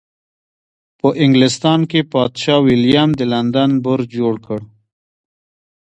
په انګلستان کې پادشاه ویلیم د لندن برج جوړ کړ.